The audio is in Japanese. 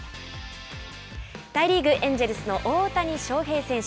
大リーグ、エンジェルスの大谷翔平選手。